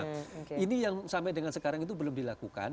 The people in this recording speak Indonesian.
nah ini yang sampai dengan sekarang itu belum dilakukan